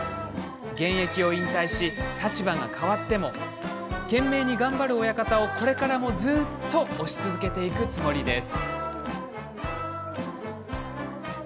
現役を引退し、立場が変わっても懸命に頑張る親方をこれからもずっと推し続けていくつもりです。